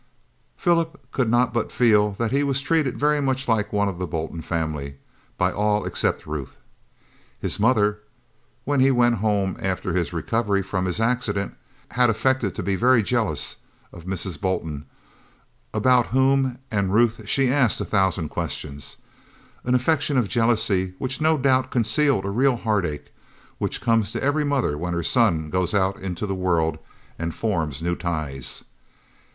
Philip could not but feel that he was treated very much like one of the Bolton family by all except Ruth. His mother, when he went home after his recovery from his accident, had affected to be very jealous of Mrs. Bolton, about whom and Ruth she asked a thousand questions an affectation of jealousy which no doubt concealed a real heartache, which comes to every mother when her son goes out into the world and forms new ties.